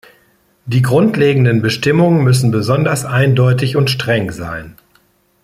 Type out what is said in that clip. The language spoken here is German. Die grundlegenden Bestimmungen müssen besonders eindeutig und streng sein.